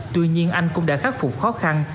tuy nhiên anh cũng đã khắc phục khó khăn